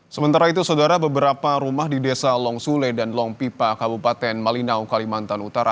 sementara itu beberapa rumah di desa longsule dan longpipa kabupaten malinau kalimantan utara